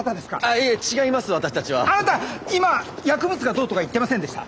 あなた今薬物がどうとか言ってませんでした？